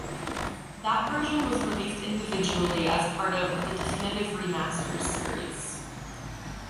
That version was released individually as part of "The Definitive Remasters" series.